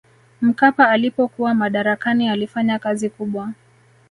mkapa alipokuwa madarakani alifanya kazi kubwa